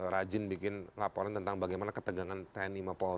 rajin bikin laporan tentang bagaimana ketegangan tni mapol